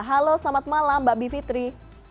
halo selamat malam mbak bivitri